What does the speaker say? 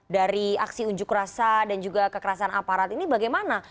dari aksi unjuk rasa dan juga kekerasan aparat ini bagaimana